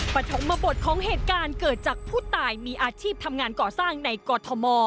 ปฐมบทของเหตุการณ์เกิดจากผู้ตายมีอาชีพทำงานก่อสร้างในกอทม